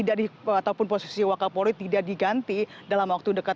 ataupun posisi wakapolri tidak diganti dalam waktu dekat